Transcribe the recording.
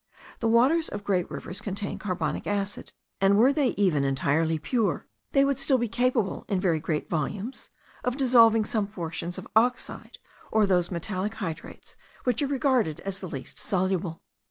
The waters of great rivers contain carbonic acid; and, were they even entirely pure, they would still be capable, in very great volumes, of dissolving some portions of oxide, or those metallic hydrates which are regarded as the least soluble.